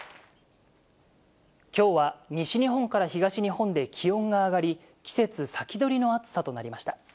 きょうは西日本から東日本で気温が上がり、季節先取りの暑さとなりました。